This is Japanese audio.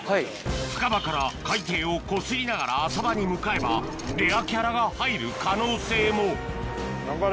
深場から海底をこすりながら浅場に向かえばレアキャラが入る可能性も頑張れ。